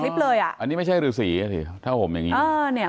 คลิปเลยอ่ะอันนี้ไม่ใช่ฤษีอ่ะถ้าผมอย่างงี้อ่าเนี้ย